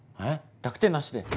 濁点なしで。